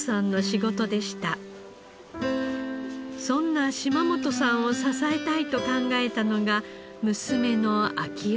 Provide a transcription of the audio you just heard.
そんな嶋本さんを支えたいと考えたのが娘の明代さん。